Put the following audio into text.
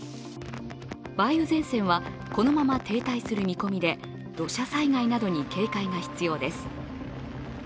梅雨前線は、このまま停滞する見込みで、土砂災害などに警戒が必要です。